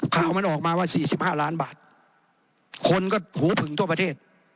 ข่าวมันออกมาว่า๔๕ล้านบาทคนก็หูผึงทั่วประเทศ